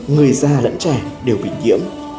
người già lẫn trẻ đều bị nhiễm